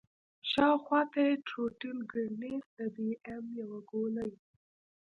شاوخوا ته يې ټروټيل ګرنېټ د بي ام يو ګولۍ.